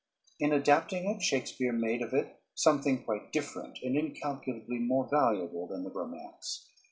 In adapting it Shakespeare made of it something quite different and incalculably more valuable than the romance.